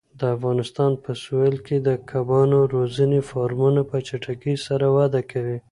د افغانستان په سویل کې د کبانو روزنې فارمونه په چټکۍ سره وده کوي.